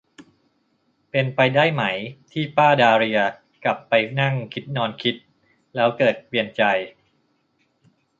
เป็นไปได้ไหมที่ป้าดาเลียกลับไปนั่งคิดนอนคิดแล้วเกิดเปลี่ยนใจ ?